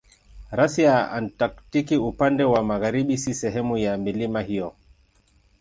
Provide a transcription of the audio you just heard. Rasi ya Antaktiki upande wa magharibi si sehemu ya milima hiyo.